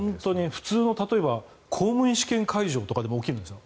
普通の公務員試験会場でも起きるんですよ。